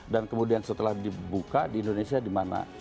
dan kemudian setelah dibuka di indonesia dimana